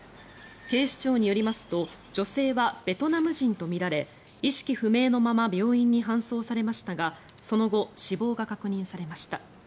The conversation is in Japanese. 警視庁によりますと女性はベトナム人とみられ意識不明のまま病院に搬送されましたがその後、死亡が確認されました。